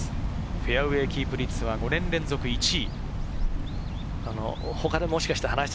フェアウェーキープ率、５年連続１位。